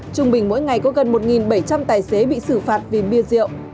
trung bình mỗi ngày có gần một bảy trăm linh tài xế bị xử phạt vì bia rượu